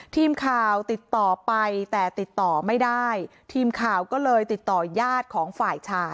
ทีมข่าวติดต่อไปแต่ติดต่อไม่ได้ทีมข่าวก็เลยติดต่อยาดของฝ่ายชาย